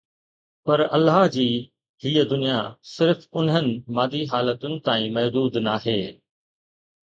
پر الله جي هيءَ دنيا صرف انهن مادي حالتن تائين محدود ناهي